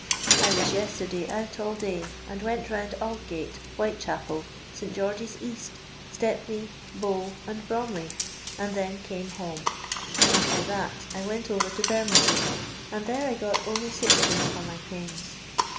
I was yesterday ont all day, and went roMid Aldgate, Whitechapel, St George's East, Stepney^ Bow, and Broudey, and then came home ; after that, I went over to Bermondsey, and there I got only Od. for my pains.